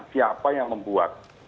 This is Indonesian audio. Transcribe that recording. siapa yang membuat